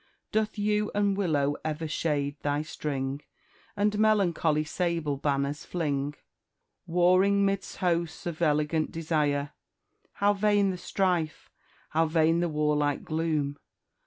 Doth yew and willow ever shade thy string And melancholy sable banners fling, Warring 'midst hosts of elegant desire? How vain the strife how vain the warlike gloom!